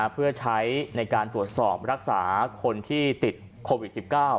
เพื่อใช้ในการตรวจสอบรักษาคนที่ติดโควิด๑๙